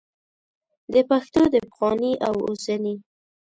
د پښتو د پخواني او اوسني